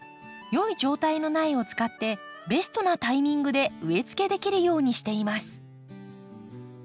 良い状態の苗を使ってベストなタイミングで植えつけできるようにしています。